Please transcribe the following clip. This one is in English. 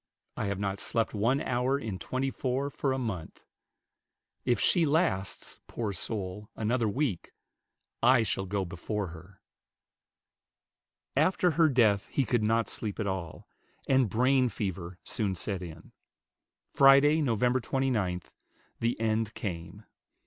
I have not slept one hour in twenty four for a month. If she lasts, poor soul, another week, I shall go before her." After her death he could not sleep at all, and brain fever soon set in. Friday, Nov. 29, the end came.